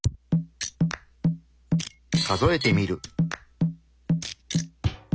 数えてみる。